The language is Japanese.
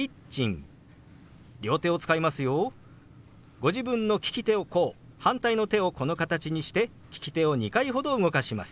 ご自分の利き手をこう反対の手をこの形にして利き手を２回ほど動かします。